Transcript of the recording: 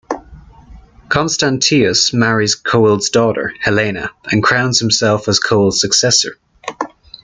Constantius marries Coel's daughter, Helena, and crowns himself as Coel's successor.